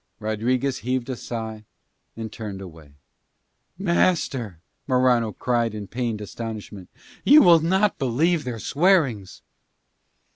Rodriguez heaved a sigh and turned away. "Master," Morano cried in pained astonishment, "you will not believe their swearings."